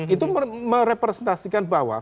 itu merepresentasikan bahwa